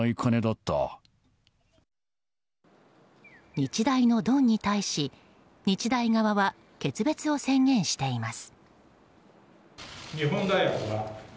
日大のドンに対し、日大側は決別を宣言しています。